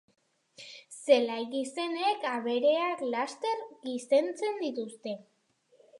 Zelai gizenek abereak laster gizentzen dituzte